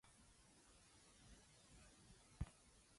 The hustle is daily, relentless, unkind.